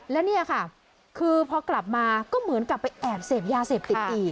และเนี่ยค่ะคือพอกลับมาก็เหมือนกับไปแอบเสพยาเสพติดอีก